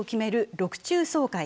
６中総会。